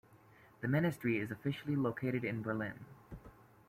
The ministry is officially located in Berlin.